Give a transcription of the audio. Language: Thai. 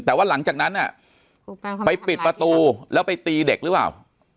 แต่ว่าหลังจากนั้นไปปิดประตูแล้วไปตีเด็กหรือเปล่า